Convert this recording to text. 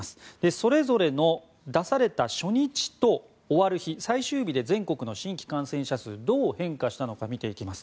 それぞれの出された初日と終わる日最終日で全国の新規感染者数どう変化したのか見ていきます。